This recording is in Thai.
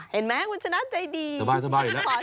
เห็นไหมคุณชนะใจดีพอ๓อัน๓จานอีกแล้วสบาย